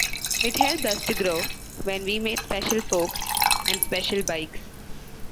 It helped us to grow... when we made special forks, and special bikes.